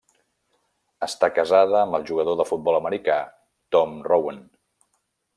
Està casada amb el jugador de futbol americà Tom Rouen.